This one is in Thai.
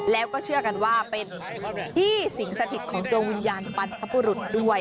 แล้วก็เชื่อกันว่าเป็นที่สิงสถิตของดวงวิญญาณบรรพบุรุษด้วย